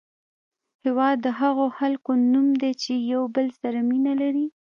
هېواد د هغو خلکو نوم دی چې یو بل سره مینه لري.